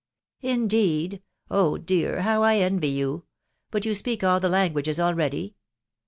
" Indeed !..•.. Oh dear ! how I envy you I •... But you speak all the languages already